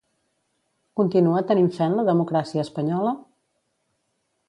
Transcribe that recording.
Continua tenint fe en la democràcia espanyola?